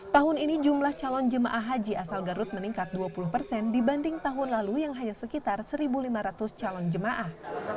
tahun ini jumlah calon jemaah haji asal garut meningkat dua puluh persen dibanding tahun lalu yang hanya sekitar satu lima ratus calon jemaah